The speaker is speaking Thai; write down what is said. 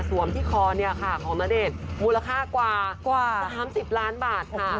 สวมที่คอของณเดชน์มูลค่ากว่า๓๐ล้านบาทค่ะ